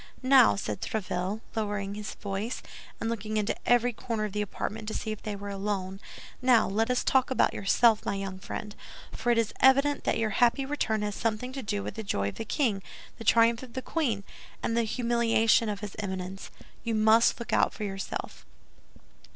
"Now," said Tréville, lowering his voice, and looking into every corner of the apartment to see if they were alone, "now let us talk about yourself, my young friend; for it is evident that your happy return has something to do with the joy of the king, the triumph of the queen, and the humiliation of his Eminence. You must look out for yourself."